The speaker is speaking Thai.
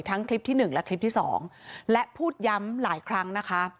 ทั้งคลิปที่หนึ่งและคลิปที่สองและพูดย้ำหลายครั้งนะคะ